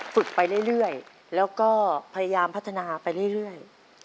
ไปเรื่อยแล้วก็พยายามพัฒนาไปเรื่อย